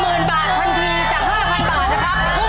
หมื่นบาททันทีจาก๕๐๐บาทนะครับ